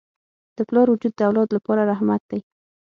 د پلار وجود د اولاد لپاره رحمت دی.